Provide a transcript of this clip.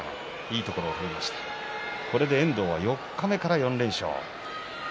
これで遠藤が四日目から４連勝。